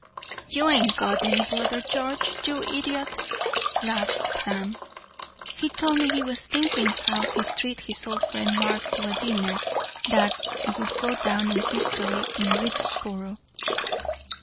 "'You ain't got any brother George, you idiot,' laughs Sam. He told me he was thinking how he'd treat his old friend Mark to a dinner that would go down in history in Readsboro.